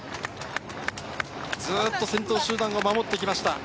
ずっと先頭集団を守ってきました。